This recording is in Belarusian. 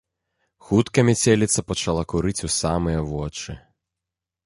Хутка мяцеліца пачала курыць у самыя вочы.